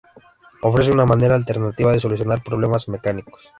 Ofrece una manera alternativa de solucionar problemas mecánicos.